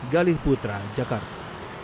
galih putra jakarta